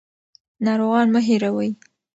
ناروغان مه هېروئ.